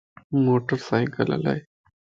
موٽر سائيڪل ھلائي